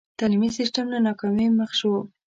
تعلیمي سسټم له ناکامۍ مخ شو.